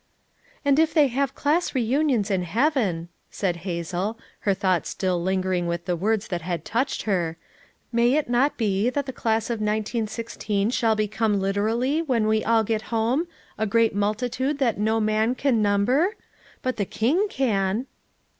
"And if they have class reunions in heaven," said Hazel, her thoughts still lingering with the words that had touched her, "may it not be that the class of 1916 shall become literally, when we all get home, a great multitude that no man can number? But the King can!"